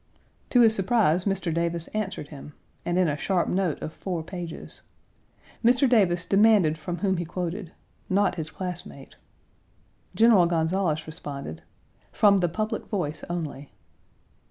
To his surprise, Mr. Davis answered him, and in a sharp note of four pages. Mr. Davis demanded from whom he quoted, "not his classmate." General Gonzales responded, "from the public voice only."